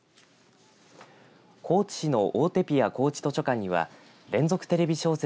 高知市のオーテピア高知図書館には連続テレビ小説